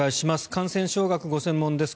感染症学がご専門です